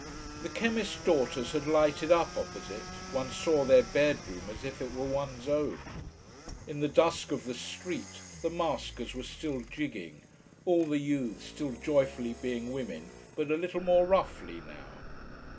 The chemist daughters had lighted up opposite, one saw their bedroom as if it were one's own. In the dusk of the street the maskers were still jigging, all the youths still joyfully being women, but a little more roughly now.